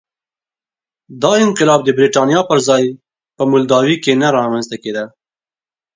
دا انقلاب د برېټانیا پر ځای په مولداوي کې نه رامنځته کېده.